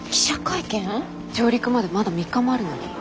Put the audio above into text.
上陸までまだ３日もあるのに？